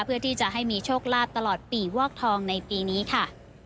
เพื่อที่จะให้มีโชคลาภตลอดปีวอกทองในปีนี้ค่ะ